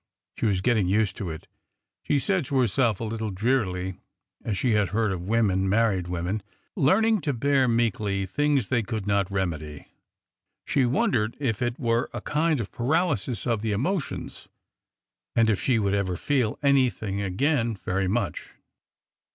She was getting used to it, she said to herself a little drearily, as she had heard of women, married wo men, learning to bear meekly things they could not rem edy. She wondered if it were a kind of paralysis of the emotions, and if she would ever feel anything again very much.